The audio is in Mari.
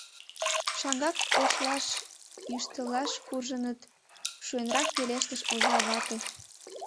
Шаҥгак Ошлаш йӱштылаш куржыныт, — шуэнрак пелештыш оза вате.